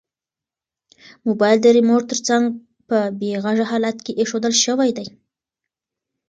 موبایل د ریموټ تر څنګ په بې غږه حالت کې ایښودل شوی دی.